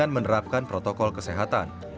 menerapkan protokol kesehatan